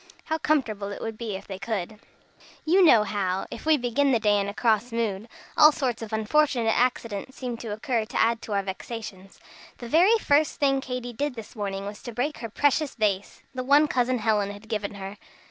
How comfortable it would be if they could! You know how, if we begin the day in a cross mood, all sorts of unfortunate accidents seem to occur to add to our vexations. The very first thing Katy did this morning was to break her precious vase the one Cousin Helen had given her.